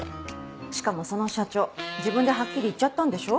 しかもその社長自分でハッキリ言っちゃったんでしょ？